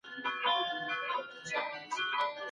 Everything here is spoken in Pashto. دا به راته واضحه سي، چي ابليس پلانونه لري.